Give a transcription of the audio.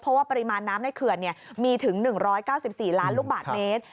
เพราะว่าปริมาณน้ำในเขื่อนมีถึง๑๙๔ล้านลูกบาทเมตร